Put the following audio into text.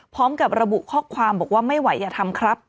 พร้อมกับระบุข้อความบอกว่าไม่ไหวอย่าทำครับ